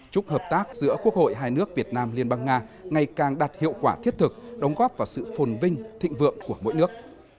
chúc hợp tác giữa quốc hội hai nước việt nam liên bang nga ngày càng đạt hiệu quả thiết thực đóng góp vào sự phồn vinh thịnh vượng của mỗi nước